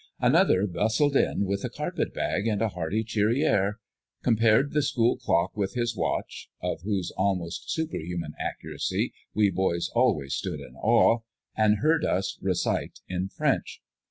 Another bustled in with a carpetbag and a hearty, cheery air; compared the school clock with his watch (of whose almost superhuman accuracy we boys always stood in awe), and heard us recite in French.